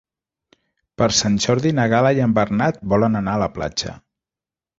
Per Sant Jordi na Gal·la i en Bernat volen anar a la platja.